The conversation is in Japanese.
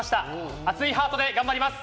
熱いハートで頑張ります！